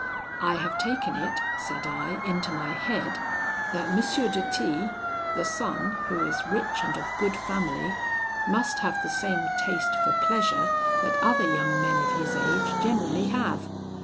'I have taken it,' said I, 'into my head, that M. de T , the son, who is rich and of good family, must have the same taste for pleasure that other young men of his age generally have.